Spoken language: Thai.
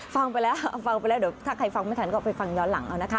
ฟังไปแล้วถ้าใครฟังไม่ทันก็ไปฟังย้อนหลังนะคะ